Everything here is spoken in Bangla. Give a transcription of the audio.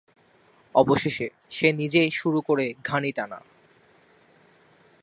অবশেষে সে নিজেই শুরু করে ঘানি টানা।